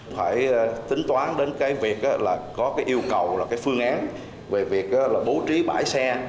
phải tính toán đến việc có yêu cầu phương án về việc bố trí bãi xe